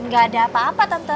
ga ada apa apa tante